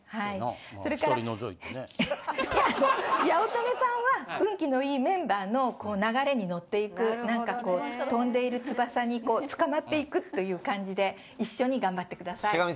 八乙女さんは運気の良いメンバーの流れにのっていくなんかこう飛んでいる翼につかまっていくという感じで一緒に頑張ってください。